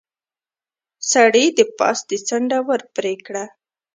سړي د پاستي څنډه ور پرې کړه.